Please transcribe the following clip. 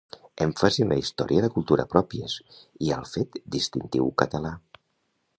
Èmfasi en la història i la cultura pròpies i al fet distintiu català